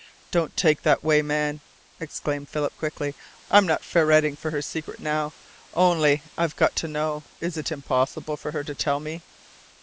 "Don't take it that way, man," exclaimed Philip quickly. "I'm not ferreting for her secret now. Only I've got to know is it impossible for her to tell me?"